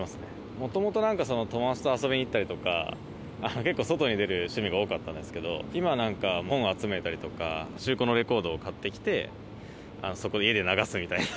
もともとなんか、友達と遊びに行ったりとか、結構、外に出る趣味が多かったんですけど、今はなんか、本集めたりとか、中古のレコードを買ってきて、家で流すみたいな。